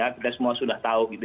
kita semua sudah tahu gitu